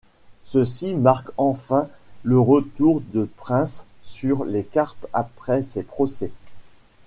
Ceci marque enfin le retour de Prince sur les cartes après ses procès.